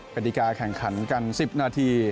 กฎิกาแข่งขันกัน๑๐นาที